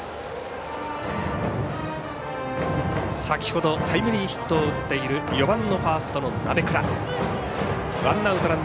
先ほどタイムリーヒットを打っている４番のファーストの鍋倉。